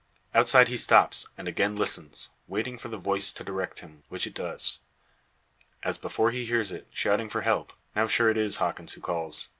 Outside he stops, and again listens, waiting for the voice to direct him, which it does. As before he hears it, shouting for help, now sure it is Hawkins who calls.